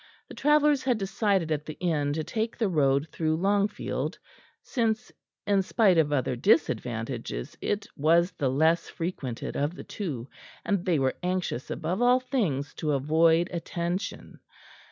The travellers had decided at the inn to take the road through Longfield; since, in spite of other disadvantages, it was the less frequented of the two, and they were anxious above all things to avoid attention.